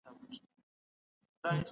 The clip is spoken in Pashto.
د ټولنې د پرمختګ لپاره سیاسي هڅې وکړئ.